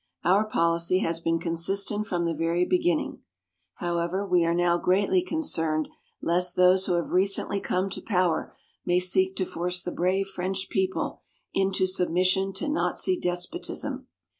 Our policy has been consistent from the very beginning. However, we are now greatly concerned lest those who have recently come to power may seek to force the brave French people into submission to Nazi despotism.